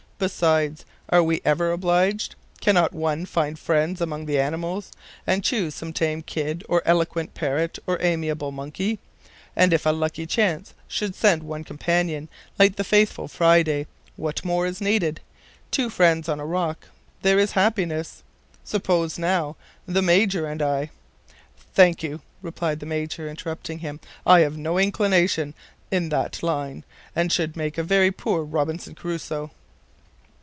Besides, are we ever obliged? Cannot one find friends among the animals, and choose some tame kid or eloquent parrot or amiable monkey? And if a lucky chance should send one a companion like the faithful Friday, what more is needed? Two friends on a rock, there is happiness. Suppose now, the Major and I " "Thank you," replied the Major, interrupting him; "I have no inclination in that line, and should make a very poor Robinson Crusoe."